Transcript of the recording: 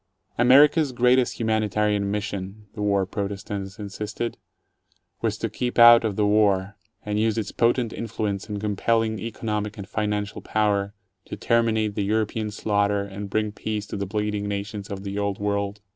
America's great humanitarian mission, the war protestants insisted, was to keep out of the war, and use its potent influence and compelling economic and financial power to terminate the European slaughter and bring peace to the bleeding nations of the old world.